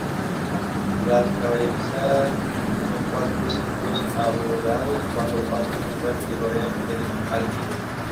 Las caballerizas son cuatro recintos abovedados bajo el patio central y rodean el aljibe.